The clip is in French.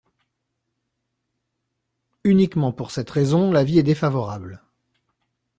Uniquement pour cette raison, l’avis est défavorable.